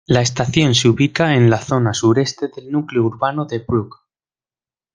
La estación se ubica en la zona sureste del núcleo urbano de Brugg.